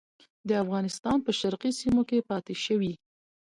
د افغانستان په شرقي سیمو کې پاته شوي.